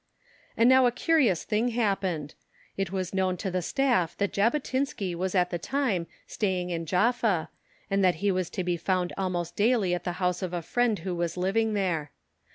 And now a curious thing happened. It was known to the Staff that Jabotinsky was at the time staying in Jaffa, and that he was to be found almost daily at the house of a friend who was living there.